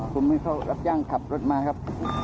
ผมให้เขารับจ้างขับรถมาครับ